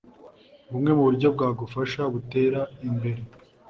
bumwe mu buryo bwagufasha butera imbere